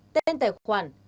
tên tài khoản